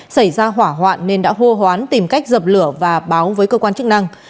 xảy ra hỏa hoạn nên đã hô hoán tìm cách dập lửa và báo với cơ quan chức năng